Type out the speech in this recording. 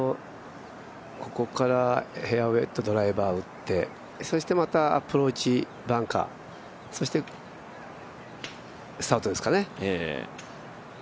ここからフェアウエーウッド、ドライバーを打ってそしてまたアプローチバンカー、そしてスタートですかね。